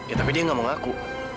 ya tapi dia nggak mau ngaku